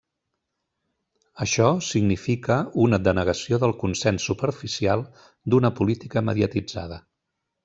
Això significa una denegació del consens superficial d'una política mediatitzada.